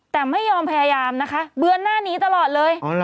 แต่ไม่ยอมพยายามนะคะเบือนหน้านี้ตลอดเลย